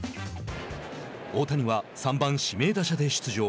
大谷は、３番指名打者で出場。